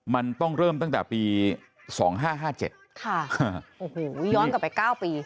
มันต้องเริ่มตั้งแต่ปี๒๕๕๗ค่ะโอ้โหย้อนกลับไป๙ปี